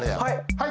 はい